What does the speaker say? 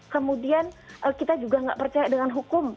kemudian kita juga nggak percaya dengan hukum